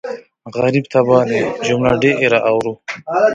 غريب تباه دی جمله ډېره اورو